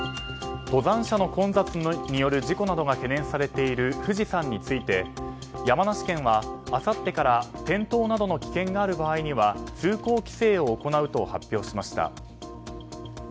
登山者の混雑による事故などが懸念されている富士山について山梨県はあさってから転倒などの危険がある場合には通行規制を行うと発表しました。